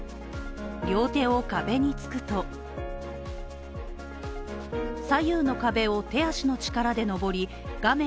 両手を壁をつくと左右の壁を手足の力で登り画面